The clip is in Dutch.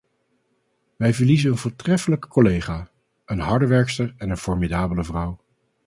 Wij verliezen een voortreffelijke collega, een harde werkster en een formidabele vrouw.